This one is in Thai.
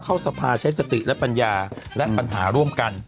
เข้าสภาใช้สติและปัญญาและปัญหาร่วมกัน